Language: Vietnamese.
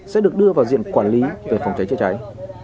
sẽ được đưa vào diện quản lý về phòng cháy chữa cháy